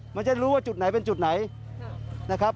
มันจะรู้ว่าจุดไหนเป็นจุดไหนนะครับ